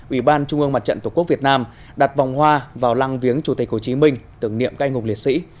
ủy ban trung ương mặt trận tổ quốc việt nam đặt vòng hoa vào lăng viếng chủ tịch hồ chí minh tưởng niệm canh hùng liệt sĩ